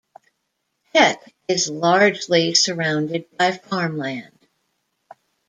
Hett is largely surrounded by farmland.